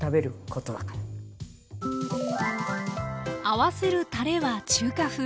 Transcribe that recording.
合わせるたれは中華風。